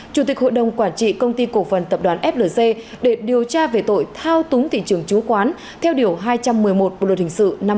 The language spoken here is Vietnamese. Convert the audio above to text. chủ tịch hội đồng quản trị công ty cổ phần tập đoàn flc để điều tra về tội thao túng thị trường chứng khoán theo điều hai trăm một mươi một bộ luật hình sự năm hai nghìn một mươi